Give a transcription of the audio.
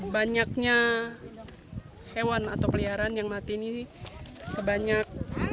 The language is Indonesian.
banyaknya hewan atau peliharaan yang mati ini sebanyak dua ratus sembilan puluh dua